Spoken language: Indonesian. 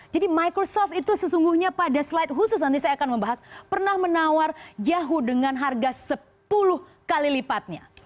jadi microsoft itu sesungguhnya pada slide khusus nanti saya akan membahas pernah menawar yahoo dengan harga sepuluh kali lipatnya